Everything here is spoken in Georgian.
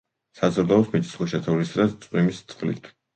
საზრდოობს მიწისქვეშა, თოვლისა და წვიმის წყლით.